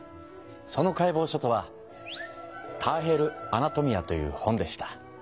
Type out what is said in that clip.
その解剖書とは「ターヘル・アナトミア」という本でした。